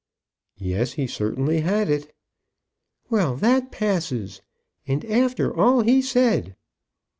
"Yes; he certainly had it." "Well, that passes. And after all he said!"